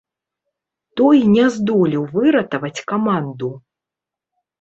Той не здолеў выратаваць каманду.